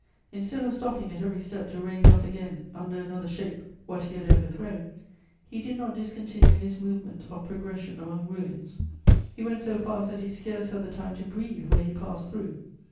Instead of stopping at every step to raise up again, under another shape, what he had overthrown, he did not discontinue his movement of progression among ruins: he went so fast that he scarce had the time to breathe where he passed through.